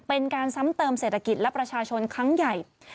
เป็นการซ้ำเติมเศรษฐกิจและประชาชนครั้งใหญ่